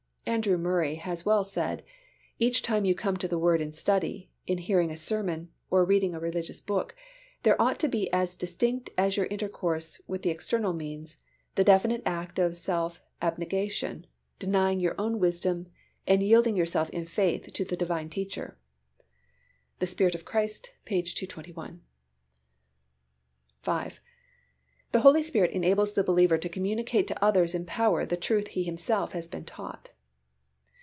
Andrew Murray has well said, "Each time you come to the Word in study, in hearing a sermon, or reading a religious book, there ought to be as distinct as your intercourse with the external means, the definite act of self abnegation, denying your own wisdom and yielding yourself in faith to the Divine teacher" ("The Spirit of Christ," page 221). V. _The Holy Spirit enables the believer to communicate to others in power the truth he himself has been taught.